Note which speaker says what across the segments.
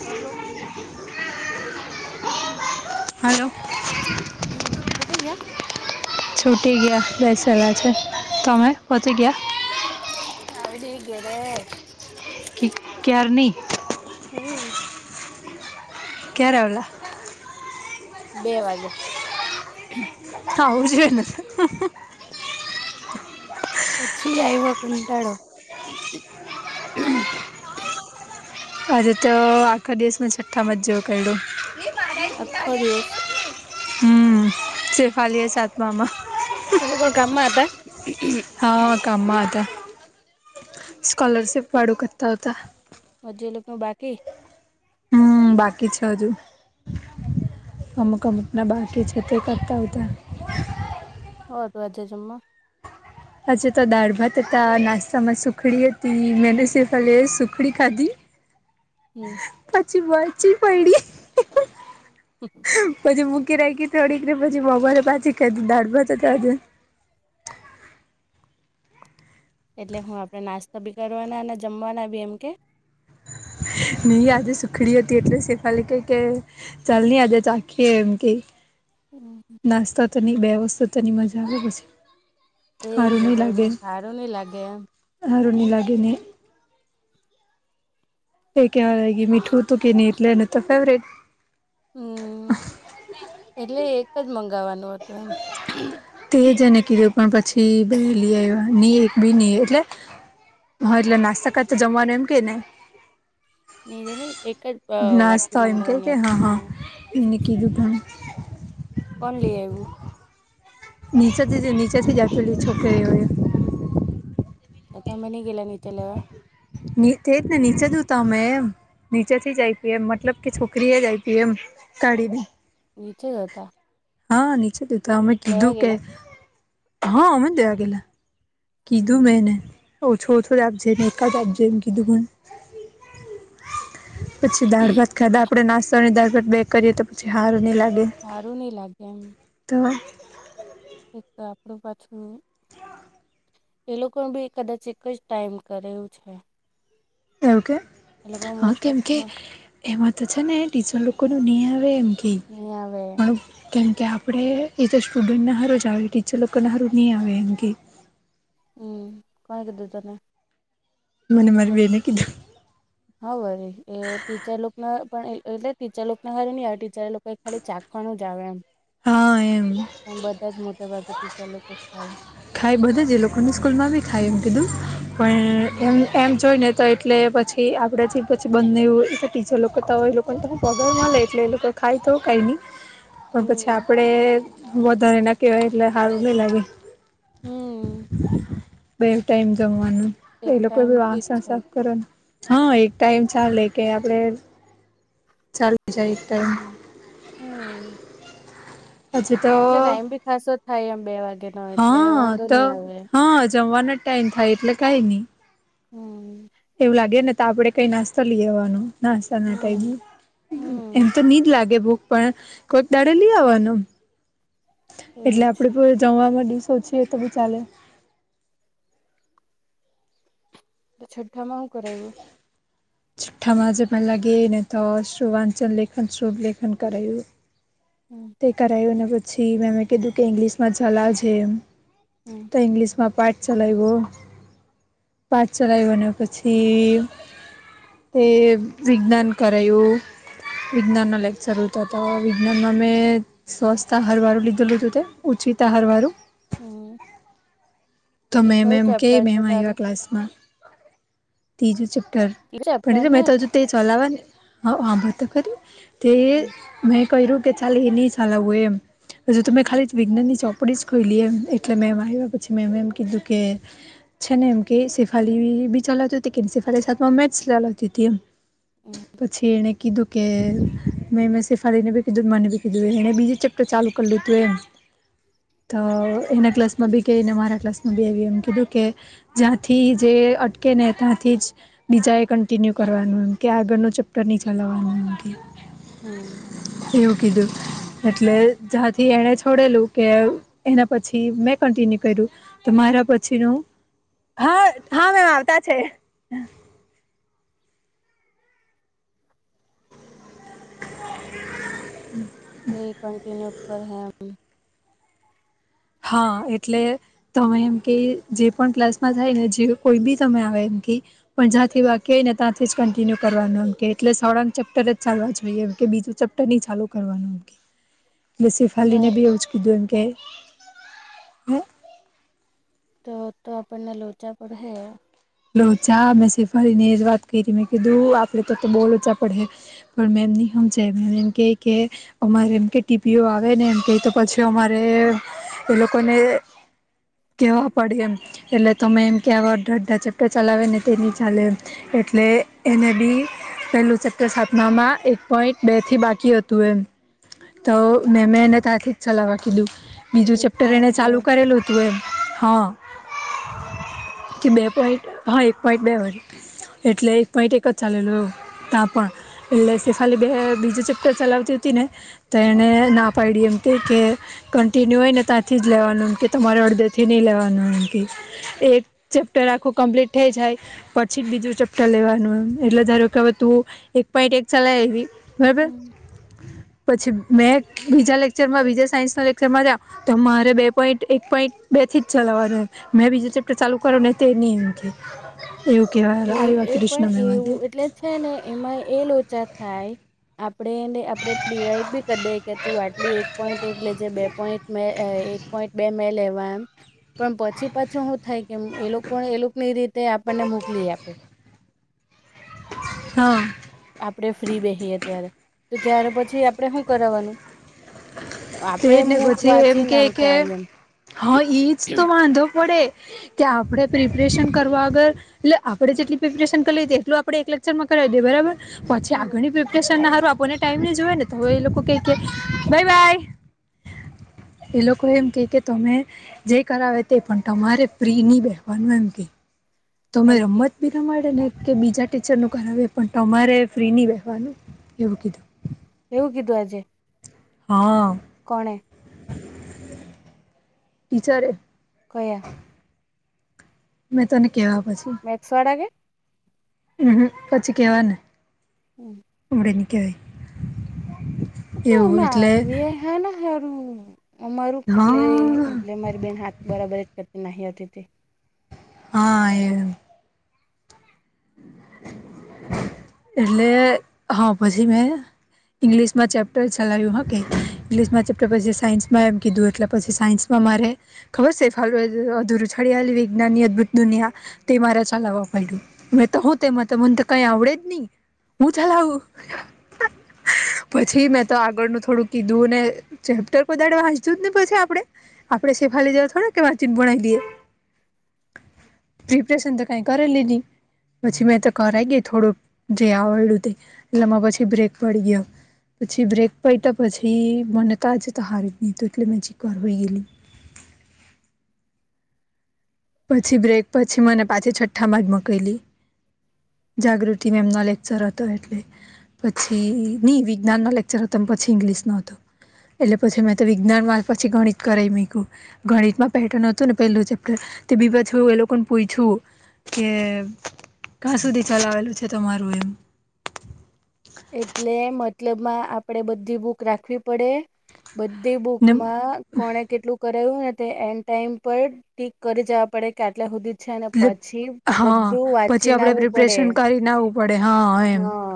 Speaker 1: Hello.
Speaker 2: Hello.
Speaker 1: હમ્મ. [unintelligible]
Speaker 2: છૂટી ગયા બેસેલા છે, તમે પોચી ગયા?
Speaker 1: આવી ગઈ ઘરે.
Speaker 2: કિ ક્યાર ની?
Speaker 1: હમ્મ.
Speaker 2: ક્યારે આવેલા?
Speaker 1: બે વાગે.
Speaker 2: આવું જોઈએ ને.
Speaker 1: પછી આવ્યો કંટાળો.
Speaker 2: આજે તો આખો દિવસ છઠ્ઠામાં જો કેયડો.
Speaker 1: આખો દિવસ
Speaker 2: હમ્મ, શેફાલી હે સાતમા માં.
Speaker 1: તે લોકો ગામમાં હતા?
Speaker 2: હા, કામમાં હતા સ્કોલરશિપ વાળું કરતા હતા.
Speaker 1: હજી એ લોકોનું બાકી?
Speaker 2: હમ્મ, બાકી છે હજુ. અમુક-અમુકના બાકી છે તે કરતા હતા.
Speaker 1: હા, તો આજે જમવા?
Speaker 2: આજે તો દાળ-ભાત હતા, નાસ્તામાં સુખડી હતી મેં ને શેફાલી એ સુખડી ખાધી.
Speaker 1: હમ્મ.
Speaker 2: પછી વરચી પયડી.
Speaker 1: [unintelligible]
Speaker 2: પછી મૂકી રાખી થોડીક ને પછી બપોરે પાછી ખાદી દાળ-ભાત હતા આજે.
Speaker 1: એટલે હું, આપણે નાસ્તો બી કરવાના અને જમવાના બી એમ કે?
Speaker 2: નહી આજે સુખડી હતી એટલે શેફાલી કેય કે ચાલને આજે ચાખીએ એમ કે.
Speaker 1: હમ્મ.
Speaker 2: નાસ્તો ત ની બે વસ્તુ તે ની મજા આવે પછી.
Speaker 1: તે જ
Speaker 2: હારું ની
Speaker 1: ને
Speaker 2: લાગે
Speaker 1: હારુંની લાગે એમ.
Speaker 2: હારું ની લાગી ને? એ કેવા લાગી મીઠું હતું કે ને એટલેને તો ફેવરેટ.
Speaker 1: હમ્મ, એટલે એક જ મંગાવવાનું હતું એમ.
Speaker 2: તેજ એને કીધું પણ પછી બે લી આવની એક બી ની એટલે હા એટલે નાસ્તા કરાતા જમવાનું એમ કે ને
Speaker 1: મેળવી એકજ.
Speaker 2: નાસ્તા એમ ક કે હા હા એને કીદું તું.
Speaker 1: કોણ લયાવુ.
Speaker 2: નીચેથી નીચેથી જતેલી છોકરીઓય.
Speaker 1: એ તમે નઇ ગયેલા નીચે લેવા.
Speaker 2: નીચે ને નીચે જ હુ તમે એમ. નીચેથી જાય પી એમ મતલબ કે છોકરીએ જ આવી પી એમ કાઢીને
Speaker 1: નીચે હતા.
Speaker 2: હા નીચે દીધા અમે
Speaker 1: લેવા
Speaker 2: કીધું કે
Speaker 1: ગેલા
Speaker 2: હા અમે દેવા ગેલા કિધું મેં એને ઓછો ઓછો રાખજે જીણકા રાખજે એમ કીધું હોય. પછી દાળ ભાત ખાધા આપણે નાસ્તોની દાળ ભાત બેય કરીએ તો પછી હારું નહીં લાગે
Speaker 1: હારુંની લાગે એમ
Speaker 2: [inaudible]
Speaker 1: એક તા આપડું પાછું. એ લોકો બી કદાચ એક જ ટાઈમ કરે એવું છે.
Speaker 2: એવું કે
Speaker 1: એ લોકો
Speaker 2: હા
Speaker 1: મોસ્ટ
Speaker 2: કેમ કે
Speaker 1: ઓફ
Speaker 2: એમાં તો છે ને ટીચર લોકોને નહીં આવે એમ કે
Speaker 1: નહી આવે.
Speaker 2: પણ કેમ કે આપણે એ તો સ્ટુડન્ટને સારું જ આવે ટીચર લોકોને સારું નહીં આવે એમ કે
Speaker 1: હમ કોઈ કિઘુ તને
Speaker 2: મને મારે બેન કીધું.
Speaker 1: હા ભલે એ ટીચર લોકને પણ એ એટલે ટીચર લોકોને હારે નહિ આવે ટીચરલોક કઈ ખાલી ચાખવાનુ જાવ એમ
Speaker 2: હા એમ
Speaker 1: પણ બધા જ મોટા ભાગેથી ટીચર લોકો ખાય
Speaker 2: ખાય બધા જ એ લોકોની સ્કૂલમાં બી ખાય એમ કીધું પણ એમ
Speaker 1: હમ
Speaker 2: એમ જોઈ ને તો એટલે પછી આપણેે જ પછી બંધ નહિ હોય બીજો લોકો તો હોય લોકો પણ લોકો પગાર નાલે એટલે એ લોકો ખાય તો કંઈ નહીં. પણ પછી
Speaker 1: હમ
Speaker 2: આપડે વધારે ના કવાય એટલે સારું નહી લાગે
Speaker 1: હમ
Speaker 2: બે ટાઈમ જમવાનું. એ
Speaker 1: એક
Speaker 2: લોકો
Speaker 1: ટાઈમ ઠીક
Speaker 2: વાસ
Speaker 1: છે
Speaker 2: સાફ કરો હા એક ટાઈમ ચાલેલેે કે આપડે ચાલ.
Speaker 1: હમ હમ્મ.
Speaker 2: હજી તો
Speaker 1: એટલે ટાઈમ ભી ખાસો થાય એમ બે વાગે નો
Speaker 2: હ
Speaker 1: એટલે વાંધો
Speaker 2: તો
Speaker 1: નહી આવે
Speaker 2: હ જમવાનો જ ટાઈમ થાય એટલે કાઈ નહી.
Speaker 1: હમ્મ.
Speaker 2: એવું લાગે ને તો આપણે કઈ નાસ્તો લઈવાનો નાસ્તા ના
Speaker 1: હમ
Speaker 2: ટાઈમે એમ
Speaker 1: હમ
Speaker 2: તો નહિ તો લાગે ભુખ પણ કોઈક દાડે લઈ આવવાનું એટલે
Speaker 1: એવું જ
Speaker 2: આપડે સ્કુલ જવમા ડિસો છે તો બી ચાલે
Speaker 1: તે છઠ્ઠા મા હું કરાયું.
Speaker 2: છઠામાં જે પેલા ગેને તો શુવાચલ લેખન શુભ લેખન કરાયુ.
Speaker 1: હા.
Speaker 2: તે કરાવું અને પછી મેમે કીધું કે ઇંગ્લિશમાં ચલાવ છે એમ
Speaker 1: હમ
Speaker 2: તો ઇંગ્લિશમાં પાઠ ચલાવો પાઠ ચલાવો
Speaker 1: હમ
Speaker 2: પછી. તે વિજ્ઞાન કરાયુ વિજ્ઞાનના લેક્ચર તો તો વિજ્ઞાનમાં મે સવસ્તા હરવાળું લીધું લીઘું તે ઉછચીતા હરવાળું.
Speaker 1: હા.
Speaker 2: તોમે એમ એમ કે બેમ
Speaker 1: છે
Speaker 2: આવ
Speaker 1: તારું
Speaker 2: ક્લાસમાં. ત્રીજું ચેપ્ટર
Speaker 1: ત્રીજું ચેપ્ટર
Speaker 2: પણ
Speaker 1: ને
Speaker 2: મેં તો હજુ તે ચલાવવા નેસંભાળ તો ખરી. તે
Speaker 1: હમ
Speaker 2: મેં ક્યું કે ચાલ એ નહી ચલાવવું એમ પછી તમે
Speaker 1: હમ
Speaker 2: ખાલી વિજ્ઞાન ની ચોપડી જ ખોઈલી એમ એટલે મે એમ આવ્યા પછી મેમ એમ કીધું કે છે ને એમ કે શેફાલી ભી એબી ચાલવતી કે શેફાલી સાથે મે ચાલાવતી એમ.
Speaker 1: હમ
Speaker 2: પછી એને કીધું કે મેં મેં શેફાલી ને બી કીધું મને બી કીધું એણે બીજું ચેપ્ટર ચાલુ કરી લીધું એમ.
Speaker 1: [inaudible]
Speaker 2: તો એના ક્લાસમાં બી કેને મારા ક્લાસમાં બી એવી એમ કીધું કે જ્યાંથી જે અટકે ને ત્યાંથી જ બીજા એ કન્ટિન્યુ કરવાનું એમ કે આગળ ન ચેપ્ટર નહી ચલાવવાનું એમ કે
Speaker 1: હમ.
Speaker 2: એવું કીધું. એટલે જ્યાંથી એને છોડેલું કે એના પછી મેં કન્ટિન્યુ કર્યું. તમારા પછીનું હા હા મેમ આવતા છે. હમ.
Speaker 1: એ કંન્ટિન્યુ એમ.
Speaker 2: હા એટલે તમે એમ કે જે પણ ક્લાસમાં થાય ને જે કોઈ બી તમે આવે એમ કે પણ જ્યાંથી વાક્ય હોય ને ત્યાંથી જ કન્ટિન્યુ કરવાનું એમ કે એટલે સોળાંગ ચેપ્ટર જ ચાલવા જોઈએ કે બીજું ચેપ્ટ ની ચાલુ કરવાનું
Speaker 1: [inaudible]
Speaker 2: બી સેફાલીને બી એવજ કીધું એમ કે હ
Speaker 1: તો તો આપણને લોચા પડ હૈ.
Speaker 2: લો ચા મેં શેફાલી ને વાત કરી મેં કીધું આપણે તો તો બો લોચા પડહે. પર મેમ ની સમજે મેમ એમ કેય કે અમારે એમ કે ટીપીઓ આવે ને એમ કે તો પછી અમારે એ લોકોને કેવા પડે એમ એટલે તમે એમ કેવા અડધા અડધા ચેપ્ટર ચલાવે ને તેની ચાલે. એટલે એને બી પેલું ચેપ્ટર સાતમામાં એક પોઈન્ટ બે થી બાકી હતું એમ. તો મે મેમ એ આથી જ ચલાવા કીધું. બીજું
Speaker 1: એક
Speaker 2: ચેપ્ટર
Speaker 1: પોઈન્ટ
Speaker 2: એને
Speaker 1: બે
Speaker 2: ચાલુ કરેલું હતું એમ હા કે બે પોઈન્ટ હા એક પોઈન્ટ બે વાે એટલે એક પોઈન્ટ એક જ ચાલેલવ તા પણ. એટલે ખાલી બે બીજું ચેપ્ટર ચલાવતી હતી ને તો એને ના પાડી એમ. ક કે કન્ટિન્યુ હોય ને ત્યાંથી જ લેવાનું એમકી તમારે અડધેથી નહીં લેવાનું એમ‌ કેય. એક ચેપ્ટર આખું કમ્પ્લીટ થઈ જાય પછી જ બીજું ચપ્ટર લેવાનું એમ એટલે ધારો કે તું એક પોઈન્ટ એક ચલાય આવી બરાબર
Speaker 1: હમ
Speaker 2: પછી મેં બીજા લેક્ચરમાં બીજા સાયન્સ ના લેક્ચરમાં જ તો મારે બે પોઈન્ટ એક પોઈન્ટ બે થી જ ચલાવવાનું મેં બીજું ચેપ્ટર ચાલુ કરો ને તે ની એયું કેવાય.
Speaker 1: એ એ પણ એવું એટલે છે ને એમાં એ લોચા થાય આપણેેને આપડણે ડિવાઈડ બી કરી દઈ કે તું આટલું એક પોઈન્ટ એક લેજે બે પોઈન્ટ મે એક પોઈન્ટ બે મે લેવા એમ પણ પછી પાછો શું થાય કે એ લોકો એ લોકો ની રીતે આપણને મોકલી આપે.
Speaker 2: હા.
Speaker 1: આપડણે ફ્રી બેહીએ ત્યારે તો ત્ય્યારે પછી આપણેે શું કરવાવાનું. આપડે
Speaker 2: એજ
Speaker 1: એ
Speaker 2: ને
Speaker 1: મૂળ
Speaker 2: પછી એમ
Speaker 1: વાંચી
Speaker 2: કે
Speaker 1: ના
Speaker 2: કે
Speaker 1: આવતા એમ.
Speaker 2: હા એજ તો વાંધો પડે કે આપડ પ્રિપરેશન કરવા આગર એટલે આપણે જેટલી પ્રિપરેશન કરી લ એટલ આપ એક લેકચરમાં કરાવી દઈએ બરાબર પછી
Speaker 1: હમ
Speaker 2: આગળની પ્રિપરેશન ના સારું આપને ટાઈમ જોએ ને તો હવે એ લોકો ક બાય બાય. એ લોકો એમ કે કે તમે જે કરાવે તે પણ તમારે ફ્રી નહી બેવાનું એમ કે તમે
Speaker 1: એમ કે
Speaker 2: રમત બીના મળેને કે બીજા ટીચરનું કરાવએ પણ તમારે ફ્રી નહીં બેહવાનુ એવું કીધું.
Speaker 1: એેવું કિધુ આજે!
Speaker 2: હા
Speaker 1: કોણે?
Speaker 2: ટીચરે
Speaker 1: કયા?
Speaker 2: મેં તને કેવા પછી.
Speaker 1: મેક્સવાડા કે?
Speaker 2: હમ-હમ પછી કેવા ને
Speaker 1: હમ
Speaker 2: અડવે ની કેવાય
Speaker 1: એ તારા
Speaker 2: એવું એટલે
Speaker 1: માં વે હના હારું અમારું
Speaker 2: હા
Speaker 1: એટલે એટલે મારી બેન હાથ બરાબર જ કરતી નહી હતી તે
Speaker 2: હા એ
Speaker 1: [inaudible]
Speaker 2: એટલે હા પછી મેં ઈંગ્લિશમાં ચેપ્ટર ચલાય્યું હ કે ઈંગ્લિશમાં ચેપ્ટર પછી સાયન્સમાં એમ કીધું એટલે પછી સાયન્સ મારે ખબર છે, ફ અધૂરુંછડયેલી વિજ્ઞાનની અદભુત દુનિયા તે મારા ચલાવવા પડ્યું હ તો હું તેમાં ત મને તો કઈ આવડે જ ની હું ચલાવું પછી મેં તો આગળનું થોડું કીધું ને ચેપ્ટર કોઇ દાડે વાંચુય જ ની પછી આપડે આપડે સેફાલી જેવા થોડા કે વાંચી બનાવી દઈએ પ્રિપરેશન તો કઈ કરેલ ની પછી મેં તો કરાઈ ગય થોડુંક જે આવડલું તે એટલેમાં પછી બ્રેક પડી ગયો પછી બ્રેક પયતો પછી મને તો આ જ તો હારી ની હતું એટલે મેં ચીક વાર હુય રેલી પછી બ્રેક પછી મને પાછી છઠ્ઠામાં જ મોકયલી જાગૃતિમાં મેમનો લેક્ચર હતો એટલે પછી ની વિજ્ઞાનનો લેક્ચર હતો પછી ઇંગ્લિશનો હતો. એટલે પછી મેં તો વિજ્ઞાનમાં પછી ગણિત કરાવી મુયકુ ગણિત માં પેટર્ન હતું ને પેલું ચેપ્ટર તે બી પા છું, એ લોકો ને પૂઈછું કે ક્યાં સુધી ચલાવેલું છે, તમારું એમ
Speaker 1: એટલે મતલબમાં આપણેે બધી બૂક રાખવી પડે બધી
Speaker 2: ને
Speaker 1: બુકમાં કોને કેટલું કરાવ્યું તે એન્ડ ટાઈમ પર ટીક કરી જવા પડે કે આટલા સુધી અચ્છા ને
Speaker 2: એટલે
Speaker 1: પછી
Speaker 2: હા
Speaker 1: બધું
Speaker 2: પછી
Speaker 1: વાંચીને
Speaker 2: આપણે
Speaker 1: આવવું પડે
Speaker 2: પ્રિપરેશન કરીને આવવું પડે હા એમ
Speaker 1: હા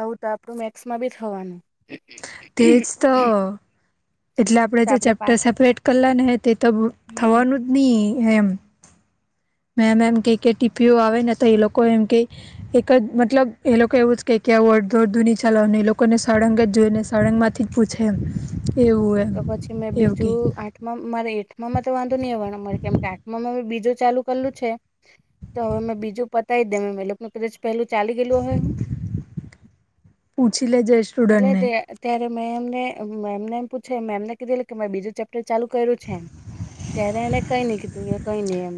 Speaker 1: આવું તો આપડું મેક્સમાં બી થવાનું
Speaker 2: તેજ તો એટલે આપણે
Speaker 1: તો
Speaker 2: જે
Speaker 1: આપડે
Speaker 2: ચેપ્ટર
Speaker 1: પાઠ
Speaker 2: સેપરેટ કરલાં ને તે તો
Speaker 1: હમ
Speaker 2: થવાનું જ નહીં એમ મેમ એમ ક કે ટીપીઓ આવે ને તો એ લોકો એમ કે એક જ મતલબ એ લોકો એવું જ કે કે આવું અર્ધું-અર્ધુ ની ચલાવનું એ લોકોને સળંગ જ જોઈ ને સળંગમાં થી પૂછે એમ એવું એમ
Speaker 1: તો પછી મેં
Speaker 2: એવું કે
Speaker 1: બીજું આ મારે એઠમાંમાં તો વાંધો નહીં આવરે કેમ કે આઠમામાં બીજું ચાલુ કરેલું છે. તો હવે મેં બીજું પતાવી દે મે લોકોનું કદચ પહેલું ચાલી ગયલું અહૅ હું
Speaker 2: પૂછ લ જે
Speaker 1: એટલે તે ત્યારે મેં એમને મેને એમ પૂછે મેમને કીધે કે મે બીજું ચેપ્ટર ચાલુ કર્યું છે એમ ત્યારે એને કઈ નઈ કીધું કે કઈ નઈ એમ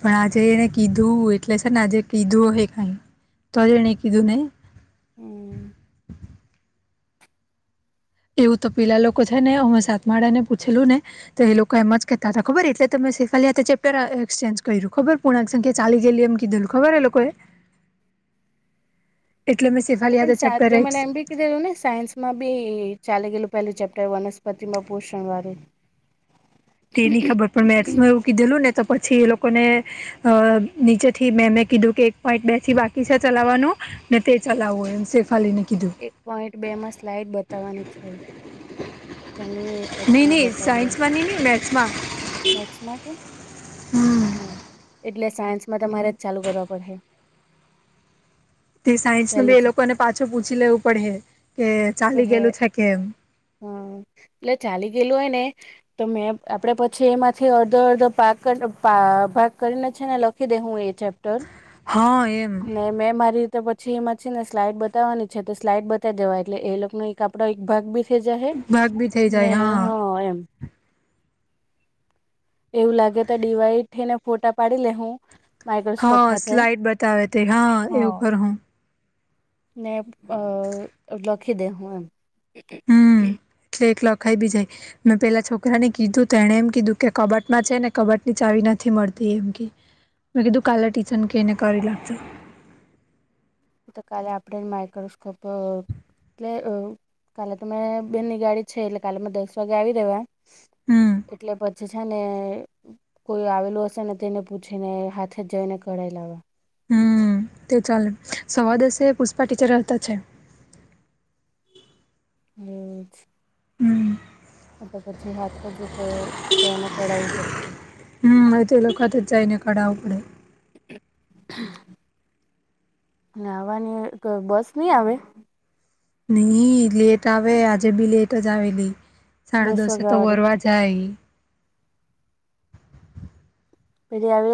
Speaker 2: પણ આજે એને કીધું એટલે છે ને આજે કીધું હે કઈ તોજ એને કીધું ને
Speaker 1: હમ
Speaker 2: એવું તો પેલા લોકો છે ને હુંં સાતમાળા ને પૂછેલું ને તો એ લોકો એમ જ કેહેતા હતા ખબર એટલે તમેાલી ચેપ્ટર એક્સચેન્જ કર્યું ખબર કોુણા સંખ્યા ચાલી ગેલી અમકી દલ ખબર એ લોકોએ
Speaker 1: [unintelligible]
Speaker 2: એટલે મેં.
Speaker 1: એ
Speaker 2: શેફાલી
Speaker 1: પણ
Speaker 2: હાથે ચેપ્ટર
Speaker 1: સાતવે મને એમ બી. કીધેલું ને સાયન્સમાં બી ચાલે ગયેલું પેલું ચેપ્ટર વનસ્પતિ માં પોષણ વાળું. [unintelligible]
Speaker 2: તેની ખબર પણ મેથ્સમાં રોકી દેલું ને તો પછી એ લોકોને. અ નીચેથી મેં મેં કીધું કે એક પોઈન્ટ બેસી બાકી છે ચલાવવાનો. ને તે ચલાવો એમ સેફાલીને કીધું.
Speaker 1: એક પોઈન્ટ બે માં સ્લાઈડ બતાવવાની છે. ત્યાંની પછી
Speaker 2: નહી
Speaker 1: મેં
Speaker 2: નહી
Speaker 1: બતાવી દઉ
Speaker 2: સાયન્સમાં નહી નહી મેથ્સમાં.
Speaker 1: મેક્સ એટલે સાયન્સ માટે મારે જ ચાલુ કરવા પડહે.
Speaker 2: તે સાયન્સ ન
Speaker 1: પેલું
Speaker 2: બી એ લોકોને પાછું પૂછી લેવું પડહે કે ચાલી ગયેલું છે કે એમ.
Speaker 1: હમ એટલે ચાલી ગયેલું હોય ને. તો મેં આપડે પછી એમાંથી અડધો અડધો પાક ભાગ કરીને છે ને. લખી દે હું એ ચેપ્ટર
Speaker 2: હા એમ
Speaker 1: અને મેં મારી. તો પછી એમાં છે ને સ્લાઈડ બતાવાની છે તો સ્લાડ બતાવી દેવાય એટલે એ લોકોનો એક આપડો એક ભાગ બી. જ હ
Speaker 2: ભાગ બી થઈ
Speaker 1: ને
Speaker 2: જાય
Speaker 1: હા એમ. એવું લાગે તો ડીવાઈ થઈને ફોટા પાડી લે હું. માઇક્રોસ્કોપ
Speaker 2: હા
Speaker 1: હાથે
Speaker 2: સ્લાઈડ બતાવે તે
Speaker 1: હા.
Speaker 2: એવું કર હું
Speaker 1: ને અ લખી દે હું એમ.
Speaker 2: એક્લે એક લખાઈ બી જાય. મેં પેલા છોકરાને કીધું તો એણે એમ કીધું કે કબટમાં છે ને કબટ ની ચાવી નથી મળતી એમ કે. મેં કીધું તું કાલે ટીચર ને કેને કરી લાકજો.
Speaker 1: તો કાલે આપણે માઇક્રોસ્કોપ. એટલે કાલે તમે બેની ગાડી છે એટલે કાલે મે દસ વાગે આવી દેવા.
Speaker 2: હમ
Speaker 1: એટલે પછ. છે ને કોઈ આવેલું હશે ને તેને પૂછીને હાથે જ જઈને કઢાઈ લાવવા.
Speaker 2: હમ તો ચાલે સવા દસે પુષ્પા ટીચર આવતા છે.
Speaker 1: હમ.
Speaker 2: હમ.
Speaker 1: તો પછી હાથ પજ તો જાયને પડાવવું પડશે.
Speaker 2: હ એ તો લખાતું જાઈને કઢાવવું પડે.
Speaker 1: આવવાની બસ નઈ આવે.
Speaker 2: નહી લેટ આવે આજે બી લેટ જ આવેલી સાડા
Speaker 1: દસ
Speaker 2: દસે તો
Speaker 1: વાગ્યા વાળી
Speaker 2: વરવા જ. જાઈ.
Speaker 1: પેલી આવે.